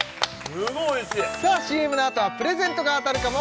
すごいおいしいさあＣＭの後はプレゼントが当たるかも？